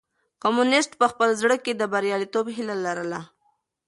کمونيسټ په خپل زړه کې د برياليتوب هيله لرله.